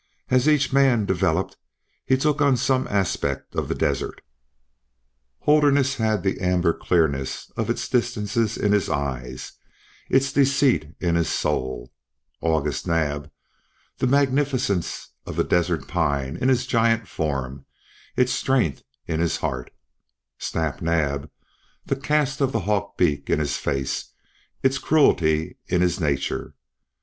As each man developed he took on some aspect of the desert Holderness had the amber clearness of its distances in his eyes, its deceit in his soul; August Naab, the magnificence of the desert pine in his giant form, its strength in his heart; Snap Naab, the cast of the hawk beak in his face, its cruelty in his nature.